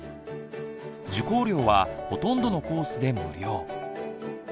受講料はほとんどのコースで無料。